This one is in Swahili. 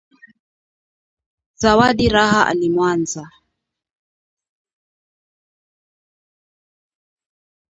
Zawadi raha ilimwanza